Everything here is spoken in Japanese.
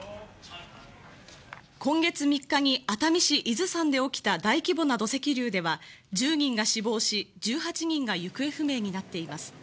今月３日に熱海市伊豆山で起きた大規模な土石流では１０人が死亡し、１８人が行方不明になっています。